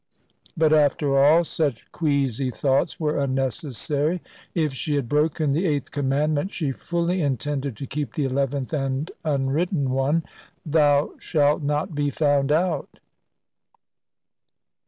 But after all, such queasy thoughts were unnecessary. If she had broken the eighth commandment, she fully intended to keep the eleventh and unwritten one, "Thou shalt not be found out."